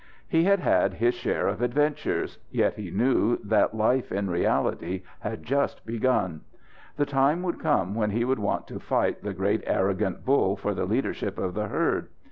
He had had his share of adventures, yet he knew that life in reality had just begun. The time would come when he would want to fight the great arrogant bull for the leadership of the herd.